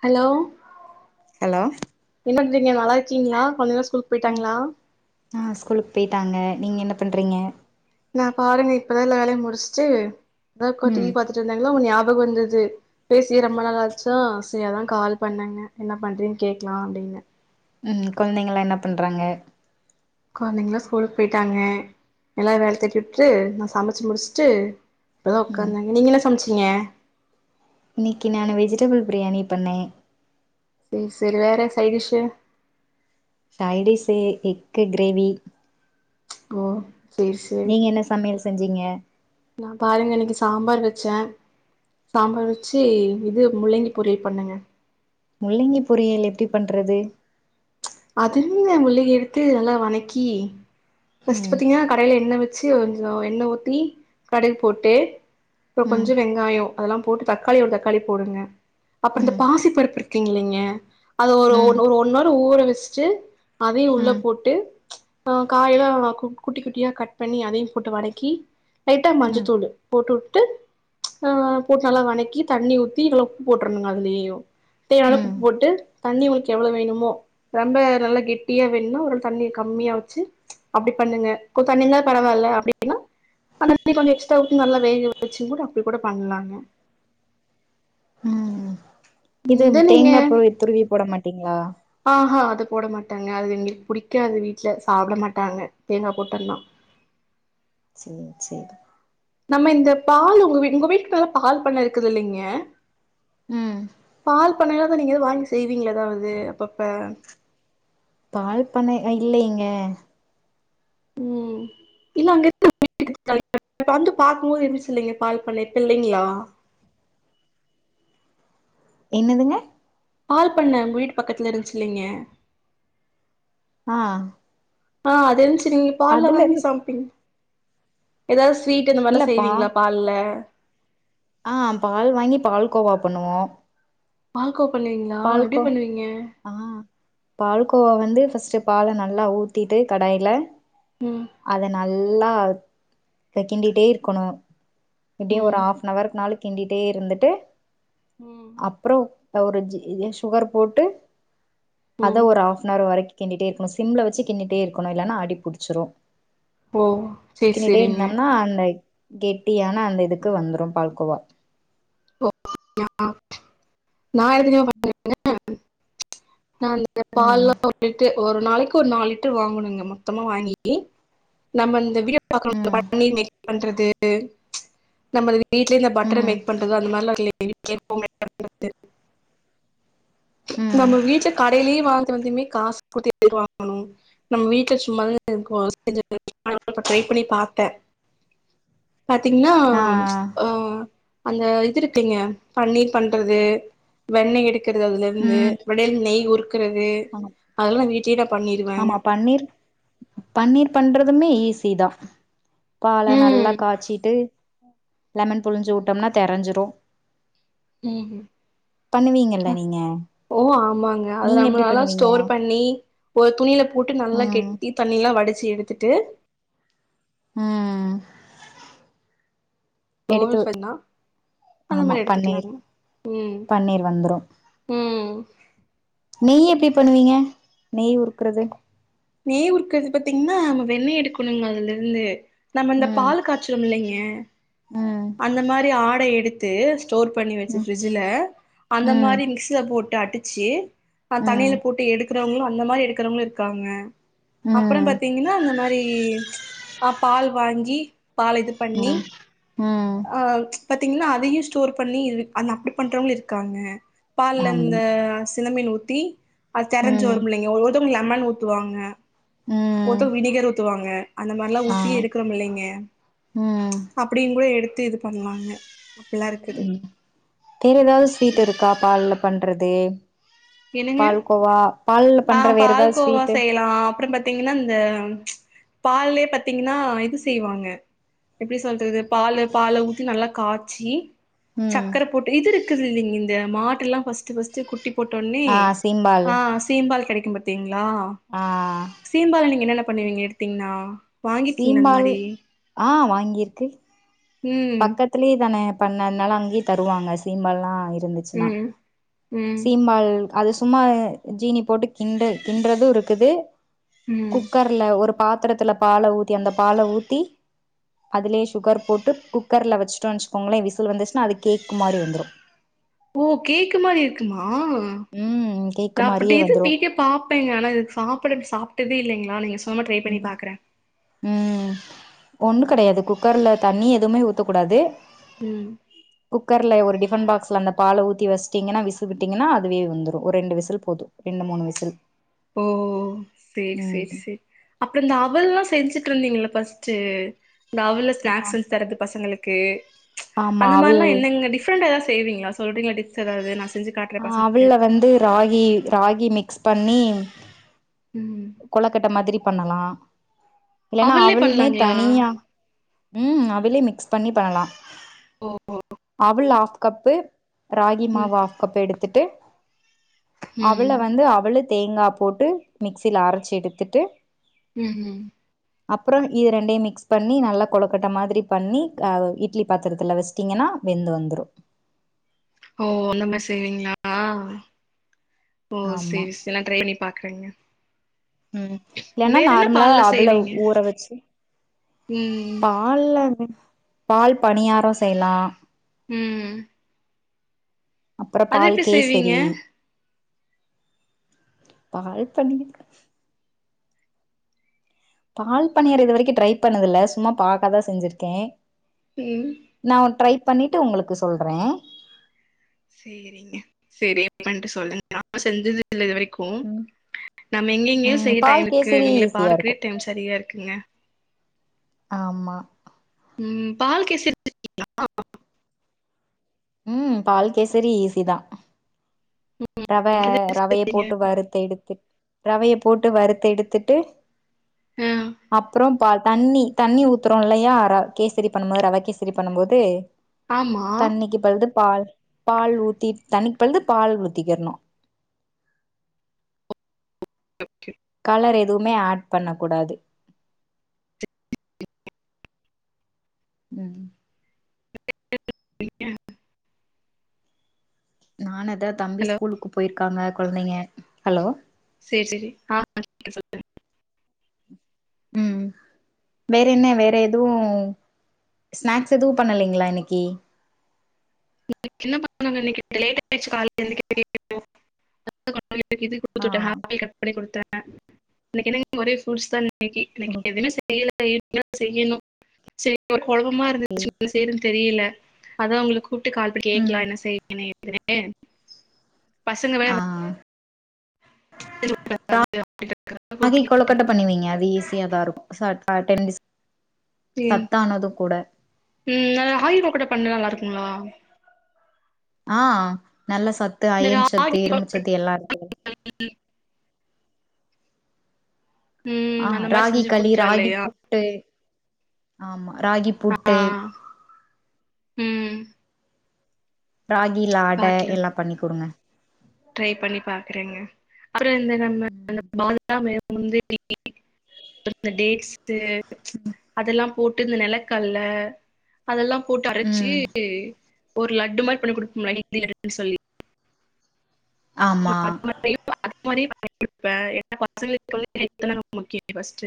Hello hello என்ன பண்றீங்க நல்லாக்கீங்ளா கொழந்தைங்கள்லா ஸ்கூல்க்கு போயிட்டாங்களா ஆ ஸ்கூலுக்கு போய்ட்டாங்க நீங்க என்ன பண்றீங்க நா பாருங்க இப்பதா எல்லா வேலையு முடிச்சுட்டு அதா உக்காந்து டிவி ம் பாத்துட்டு இருந்தங்களா உங்க ஞாபகம் வந்தது பேசியே ரொம்ப நாள் ஆச்சா சேரி அதா கால் பண்ணேங்க என்ன பண்றீன்னு கேட்கலா அப்டின்னு ம் கொழந்தைங்கலா என்ன பண்றாங்க கொழந்தைங்கலா ஸ்கூலுக்கு போயிட்டாங்க எல்லா வேல தேட்டிவுட்டு நா சமைச்சி முடிச்சுட்டு இப்பதா ம் உக்காந்தாங்க நீங்க என்ன சமைச்சீங்க இன்னைக்கி நானு வெஜிடபிள் பிரியாணி பண்ணே சேரி சேரி வேற சைடிஷ் சைடிஸ் எக்கு கிரேவி ஓ சரி சரி நீங்க என்ன சமையல் செஞ்சீங்க நா பாருங்க அன்னைக்கு சாம்பார் வச்சே சாம்பார் வச்சு இது முள்ளங்கி பொரியல் பண்ணங்க முள்ளங்கி பொரியல் எப்படி பண்றது அது என்னங்க முள்ளங்கி எடுத்து நல்லா வணக்கி நெக்ஸ்ட் ம் பாத்தீங்கனா க டாய்ல எண்ணெய் வச்சு கொஞ்சோ எண்ணெ ஊத்தி கடுகு போட்டு அப்பறோ ம் கொஞ்ச வெங்காயோ அதெல்லா போட்டு தக்காளி ஒரு தக்காளி போடுங்க அப்றோ இந்த ம் பாசி பருப்பு இருக்கு இல்லைங்க அது ஒரு ஒ ம் ஒரு ஒன் ஹவர் ஊற வச்சுட்டு அதையு உள்ள ம் போட்டு ஆ காய் எல்லா குட்டி குட்டியா கட் பண்ணி அதையும போட்டு வனக்கி லைட்டா ம் மஞ்சத்தூளு போட்டு வுட்டு ஆ போட்டு நல்லா வதக்கி தண்ணி ஊத்தி எல்லா உப்பு போட்டுறனுங்க அதுலயு தேவையான அளவுக்கு ம் உப்பு போட்டு தண்ணி உங்களுக்கு எவ்ளோ வேணுமோ ரொம்ப நல்லா கெட்டியா வேணும்னா ஒரு தண்ணி கம்மியா வச்சு அப்டி பண்ணுங்க கொஞ்ச தண்ணி இருந்தா பரவால்ல அப்டின்னா அந்த தண்ணி கொஞ்சோ எக்ஸ்ட்ரா ஊத்தி நல்லா வேக வச்சு கூட அப்டி கூட பண்ணலாங்க ம் இது இத தேங்காப்பூவ துருவி போட மாட்டீங்களா ஆஹ அது போட மாட்டங்க அது எங்களுக்கு புடிக்காது வீட்ல சாப்ட மாட்டாங்க தேங்கா போட்டன்னா சேரி சேரி நம்ம இந்த பால் உங்க உங்க வீட்டுகிட்டலா பால் பண்ணை இருக்குது இல்லைங்க ம் பால் பண்ணைலா இருந்தா நீங்கதா வாங்கி செய்வீங்களே எதாவது அப்பப்ப பால்பண்ணை அ இல்லைங்க ம் இல்ல அங்க இரு [inaudible] [inaudible] வந்து பாக்கும்போது இருந்துச்சு இல்லீங்க பால் பண்ணை இப்ப இல்லைங்களா என்னதுங்க பால் பண்ண உங்க வீட்டு பக்கத்துல இருந்துச்சு இல்லைங்க ஆ ஆ அது இருந்துச்சு நீங்க பாலுலா அதுல வாங்கி இருந்து சாப்ட்டீங்க ஏதாவது ஸ்வீட் இந்த மாரிலா இல்லப்பா செய்வீங்களா பால்ல ஆ பால் வாங்கி பால் கோவா பண்ணுவோம் பால்க்கோ பண்ணுவீங்களா எப்டி பண்ணுவீங்க ஆ பால்கோவா வந்து ஃபஸ்ட்டு பால நல்லா ஊத்திட்டு கடாயில ம் அத நல்லா க கிண்டிட்டே இருக்கணோம் அப்டியே ஒரு ம் ஹாஃப்ன் நவர்க்கு மேல கிண்டிட்டே இருந்துட்டு ம் அப்றோம் ஒரு ஜீ சுகர் போட்டு அத ம் ஒரு ஹாஃபன் நவர் வரைக் கிண்டிட்டே இருக்கனும் சிம்ல வெச்சு கிண்டிட்டே இருக்கணும் இல்லனா அடிப்புடுச்சுரும் ஓ சேரி கிண்டிட்டே சேரிங்க இருந்தோம்னா அந்த கெட்டியான அந்த இதுக்கு வந்துரும் பால்கோவா [unintelligible] நா இந்த ம் பால்லாம் வந்துட்டு ஒரு நாளைக்கு ஒரு நாலு லிட்டர் வாங்கணுங்க மொத்தமா வாங்கி நம்ம இந்த வீடிய ம் பன்னீர் மேக் பண்றது நம்ம இது வீட்லயே இந்த பட்டர் ம் மேக் பண்றது அந்த மாரில்லாம் [inaudible] பண்றது ம் நம்ம வீட்ல கடைலயே வாங்குறது வந்துமே காசு குடுத்து ஏன் வாங்கணும் நம்ம வீட்ல சும்மா இருக்கொம்னு [inaudible] ட்ரை பண்ணி பாத்தன் பாத்திங்கனா ஆ ஆ ம் அந்த இது இருக்குங்க பன்னீர் பண்றது வெண்ணெய் எடுக்கிறது அதுல இருந்து ம் விடையல நெய் உறுக்குறது ஆமா அதெலாம் வீட்லயே நா பண்ணிருவேன் ஆமா பன்னீர் பன்னீர் பண்றதுமே ஈஸி தான் பால ம் நல்லா காய்ச்சிட்டு லெமன் புழிஞ்சு உட்டோம்னா தெரஞ்சிரும் ம் ம் நீங்க ஓ ஆமாங்க அதது நீங்க எப்டி நம்மளாலா பண்ணுவீங்க ஸ்டோர் பண்ணி ஒரு துணில போட்டு நல்லா ம் கெட்டி தண்ணியலாம் வடிச்சு எடுத்துட்டு ம் எடுத்து சொன்னா அந்த ஆமா மாரி பன்னீர் எடுத்துக்கலாங்க ம் பன்னீர் வந்துரும் ம் நெய் எப்டி பண்ணுவீங்க நெய் உறுக்குறது நெய் உருக்குறது பாத்தீங்ன்னா நம்ம வெண்ணெய் எடுக்கணுங்க அதுல இருந்து நம்ம இந்த ம் பால் காய்ச்சிறோம்ல்லைங்க ம் அந்த மாரி ஆடை எடுத்து ஸ்டோர் பண்ணி வெச்சு ம் ஃபிரிட்ஜ்ல அந்த ம் மாரி மிக்சில போட்டு அடிச்சு ஆ ம் தண்ணில போட்டு எடுக்குறவங்களும் அந்த மாரி எடுக்குறவங்களும் இருக்காங்க அப்றோம் ம் பாத்தீங்ன்னா அந்த மாரி ஆ பால் வாங்கி பால் இது ம் ம் ஹ பாத்தீங்ன்னா அதயும் ஸ்டோர் பண்ணி அந்த அப்டி பண்றவங்களும் இருக்காங்க பால்ல ஆமா இந்த சிலமீன் ஊத்தீ அது தெரஞ்சி ம் வரும் இல்லிங்க ஒருத்தவங்க லெமன் ஊத்துவாங்க ம் ஒருத்தர் வினிகர் ஊத்துவாங்க அந்த மாரிலாம் ஆ ஊத்தி எடுக்குறோம் இல்லிங்க ம் அப்டியும் போய் எடுத்து இது பண்ணுவாங்க ம் வேற ஏதாவது ஸ்வீட் இருக்கா பால்ல பண்றது என்னங்க பால்கோவா பால்ல பண்ற வேற ஏதாவது ஸ்வீட்டு எலாம் அப்பறோம் பத்தி பாத்தீங்கன்னா இந்த பால்லயே பாத்திங்னா இது செய்வாங்க எப்டி சொல்றது பாலு பால ஊத்தி நல்லா காய்ச்சி ம் சக்கரை போட்டு இது இருக்குதில்லிங் இந்த மாடெல்லா ஃபஸ்ட்டு ஃபஸ்ட்டு குட்டி போட் டொன்னே ஆ சீம்பால் ஆ சீம்பால் கெடைக்கு பாத்தீங்களா ஆ சீம்பால் நீங்க என்னென்ன பண்ணுவீங்க எடுத்தீங்ன்னா வாங்கிருகிங்ளா அந்த சீம்பால் மாரி ஆ ம் த்திலி தான பண்ண அதனால அங்கேயே தருவாங்க சீம்பாலல்லா இருந்து ச்சினா ம் ம் சீம்பால் அது சும்மா ஜீனி போட்டு கிண்டு கிண்றது இருக்குது ம் குக்கர் ல ஒரு பாத்திரத்துல பால ஊத்தி அந்த பால ஊத்தி அதுலயே சுகர் போட்டு குக் கர்ல வெச்டோன் வெச்சுகோங்ளே விசில் வந்துச்சின்னா அது கேக்கு மாரி வந்துரு ஓ கேக்கு மாரி இருக்குமா ம் கேக்கு நா அப்டி மாரியே எது வந்துரு வீடியோ பாப்பேங்க ஆனா இதுக்கு சாப்பிட சாப்ட்டதே இல்லைங்களா நீங்க சொன்ன மார ட்ரை பண்ணி பாக்குறே ம் ஒண்ணு ம் கெடையாது குக்கர்ல தண்ணி எதுமே ஊத்தக் கூடாது ம் குக்கர் ல ஒரு டிபன் பாக்ஸ்ல அந்த பால ஊத்தி வெச்டீங்கனா விசில் விட்டீங்கானா அதுவே வெந்துரு ஒரு ரெண்டு விசில் போது ரெண்டு மூணு விசில் ஓ சேர் ம் சேர் சேர் அப்றோ இந்த அவல்லா செஞ்சுட்டு இருந்தீங்கல்ல ஃபஸ்ட்டு இந்த அவுள்ல ஸ்நாக்ஸ் செஞ்சு தரது பசங்களுக்கு ஆமா அந்த அவள் மாரிலா என்னென்ன டிப்ரண்ட்டா எதாத் செய்வீங்ளா சொல்றீங்ளா டிப்ஸ் எதாவ்து நா செஞ்சு காட்றே ஆ பசங்களுக்கு அவுல்ல வந்து ராகி ராகி மிக்ஸ் பண்ணி ம் கொழக்கட்ட மாத்ரி பண்ணலா இல்லைன்னா அவல்லே அவல்மே பண்லாங்களா தனியா ம் அவுலே மிக்ஸ் பண்ணி பண்ணலா ஓ அவுல் ஆஃப் கப்பு ராகி ம் மாவு ஆஃப் கப்பு எடுத்துட்டு அவுல ம் வந்து அவுலு தேங்கா போட்டு மிக்ஸியில அரச்சு எடுத்துட்டு ம் ம் அப்றோ இது ரெண்டையு மிக்ஸ் பண்ணி நல்லா கொழக்கட்ட மாத்ரி பண்ணி அ இட்லி பாத்திரத்தில வெச் சிடிங்கன்னா வெந்து வந்துரு ஓ அந்தமாரி செய்வீங்களா ஓ ஆமா செரி செரி நா ட்ரை பண்ணி பாக்குறங்க ம் இல்லன்னா நார்மலா பால்ல அவுல செய்வீங்க ஊற வெச்சு ம் பால்ல பால் பணியாரோ செய்லா ம் அப்றோ அது பால் எப்டி செய்வீங்க கேசரி பால் பனியார இது வரைக்கு ட்ரை பண்ணது இல்ல சும்மா பாக்காதா செஞ்சிருக்கே ம் நா ட்ரை பண்ணிட்டு உங்களுக்கு சொல்றே சேரிங்க செரி பண்ட்டு சொல்லுங்க நா செஞ்சதில்ல இது வரைக்கு ம் நம்ம எங்கிங்க ம் செய்ய டைம் பால் இருக்கு கேசரி இவுங்கள ஈஸியா பார்க்வே இருக்கும் டைம் சரியா இருக்குங்க ஆமா ம் பால் கேசரி செஞ்சீங்க. ம் பால் கேசரி ஈஸி தா ரவ அது எதுக்கு ரவைய செஞ்சீங்க? போட்டு வறுத்து எடுத்து ரவைய போட்டு வறுத்து எடுத்துட்டு ஆ அப்றம் பால் தண்ணி தண்ணி ஊத்துறோம் இல்லையா ர கேசரி பண்ணும் போது ரவ கேசரி பண்ணும் போது ஆமா. தண்ணிக்கு பதில் பால் பால் ஊத்தி தண்ணிக்கு பதில் பால் ஊத்திக்கரணு ஓகே கலர் எதுவுமே ஆட் பண்ண கூடாது [inaudible] ம் [inaudible] நானு அதா தம்பி ஹலோ ஸ்கூலுக்கு போயிருக்காங்க கொழந்தைங்க ஹலோ சேரி சேரி ஆ [inaudible] ம் வேற என்ன வேற எதுவு ஸ்நாக்ஸ் எதுவு பண்ணலைங்களா இன்னைக்கு [inaudible] லேட் ஆயிச்சு கால்ல எந்திக்கயு [inaudible] ஆ ஆப்பிள் கட் பண்ணி குடுத்தே இன்னக்கி என்னங்க ஒரே ஃப்ரூட்ஸ்தா இன்னக்கி இன்னக்கி எதுவு செய்யல இனிமேதா செய்யணு செரி ஒரே கொழப்பமா இருந்துச்சு செய்றன்னு தெரியல அதா உங்கள கூப்பிட்டு கால் பண்ணி கேக்லா ம் என்ன செய்றீங்கன் [unintelligible] பசங்க வேற ஆ [inaudible] ராகி கொலக்கட்டை பண்ணிவைங்க அது ஈஸியா தா இருக்கும் [unintelligible] சத்தானதும் கூட ம் ந ராகி கொழுக்கட்ட பண்ணா நல்லா இருக்குங்களா ஆ நல்ல சத்து இந்த அயன் ராகி சத்து இரும்பு கொழுக்கட் சத்து எல்லாம் இருக்கு ஆ ம் அந்த மாரி ராகி செஞ்சு களி குடுக்கலாம் ராகி இல்லையா? பூட்டு ஆமா ராகி ஆ புட்டு ம் ராகில அட பாக்கலாம். எல்லா பண்ணிக் குடுங்க ட்ரை பண்ணி பாக்குறேங்க அப்புற இந்த நம்ம இந்த ம் பாதாமு முந்திரி அப்புற இந்த டேட்ஸூ அதெல்லா போட்டு இந்த நெலக்கல்ல அதெல்லா போட்டு அரச்சு ம் ஒரு லட்டு மாரி பண்ணி குடுப்போம்ல நைட் டின்னருக்குன் சொல்லி நா ஆமா அது மாரியு அது மாரியு பண்ணி குடுப்பே ஏன்னா பசங்களுக்கு வந்து ஹெல்த் தானே ரொம்ப முக்கிய பஸ்ட்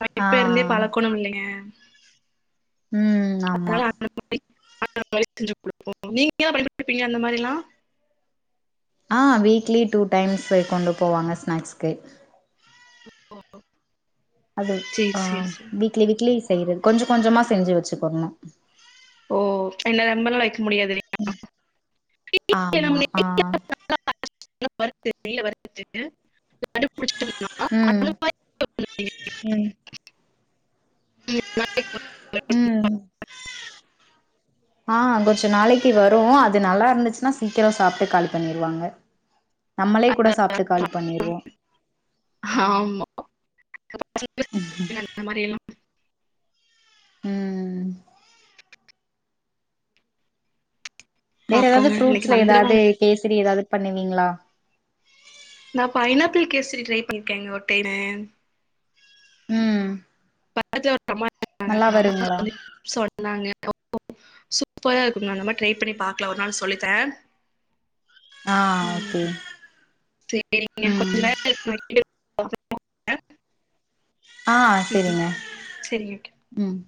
பழக்க ஆ இப்ப இருந்தே பழக்கோணு இல்லைங்க உம் அதனால அந்த மாரி அந்த மாதிரி செஞ்சு குடுப்போம் நீங்க எதுனா பண்ணி குடுப்பீங்க அந்த மாரில்லா ஆ வீக்லி டூ டைம்ஸு கொண்டு போவாங்க ஸ்நாக்ஸ்க்கு [inaudible] அது சேரி ஆ சேரி சேரி வீக்லி வீக்லி செய்யறது கொஞ்சம் கொஞ்சமா செஞ்சு வச்சு போடணு ஓ இல்ல ரொம்ப நாளைக் வைக்க முடியாது இல்லைங் ம் [inaudible] ம் [inaudible] ம் [inaudible] உம் ஆ கொஞ்ச நாளைக்கு வரும் அது நல்லா இருந்துச்சுன்னா சீக்கிரம் சாப்ட்டு காலி பண்ணிருவாங்க நம்மளே கூட சாப்ட்டு காலி பண்ணிருவோ ஆமா அந்த மாரி எல்லா ம் வேற ஏதாவது பாப்போங்க இன்னைக்கு ஃப்ரூட்ஸ்ல ஏதாவது வந்துருவாங்க கேசரி ஏதாவது பண்ணுவீங்ளா நா பைனாப்பிள் கேஸரி ட்ரை பண்ணிருக்கேங்க ஒருடைனு ம் பக்கத்துல ஒரு நல்லா அம்மா வருங்களா சொன்னாங்க அந்த அம்மா [inaudible] சூப்பரா இருக்குங்க நம்ம ட்ரை பண்ணி பாக்ல ஒரு நாள் சொல்லிதர ஆ ஓகே செரிங்க கொஞ்ச ம் வேல இருக்கு [inaudible] ஆ செரிங்க சரிங்க ம்